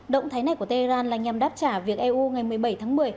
động thái này của tây iran là nhằm đáp trả việc eu ngày một mươi bảy tháng một mươi